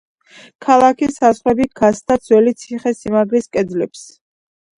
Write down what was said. ქალაქის საზღვრები გასცდა ძველი ციხესიმაგრის კედლებს.